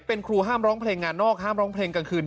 เป็นครูห้ามร้องเพลงงานนอกห้ามร้องเพลงกลางคืน